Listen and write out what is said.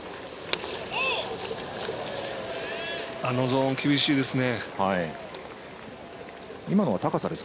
今のゾーン厳しいですね。